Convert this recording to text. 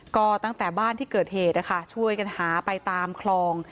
ก็ตั้งแต่บ้านที่เกิดเหตุนะคะช่วยกันหาไปตามคลอง